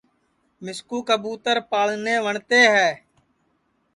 مِسکُو کئبوتر پاݪنے وٹؔتے ہے